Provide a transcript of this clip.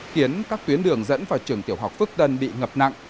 khiến các tuyến đường dẫn vào trường tiểu học phước tân bị ngập nặng